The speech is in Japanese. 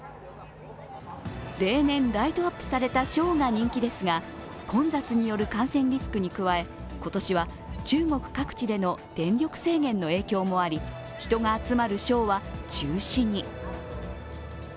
例年、ライトアップされたショーが人気ですが混雑による感染リスクに加え今年は中国各地での電力制限の影響もあり人が集まるショーは中止に。